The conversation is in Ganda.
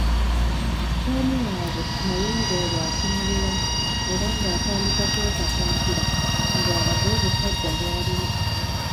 Tom waabwe naye ng'olwo asumulula" era ng'atandika kwekatankira mbu alage "obusajja" bw’alina.